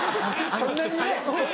そんなにね。